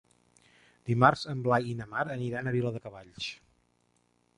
Dimarts en Blai i na Mar aniran a Viladecavalls.